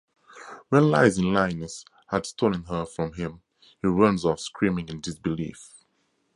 Realizing Linus had stolen her from him, he runs off screaming in disbelief.